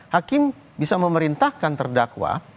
hakim bisa memerintahkan terdakwa